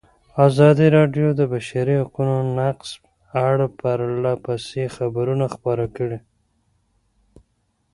ازادي راډیو د د بشري حقونو نقض په اړه پرله پسې خبرونه خپاره کړي.